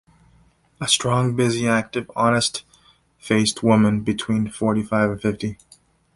A strong, busy, active, honest-faced woman between forty-five and fifty.